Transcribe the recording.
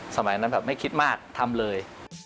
สมัยนั้นแบบไม่คิดมากทำเลย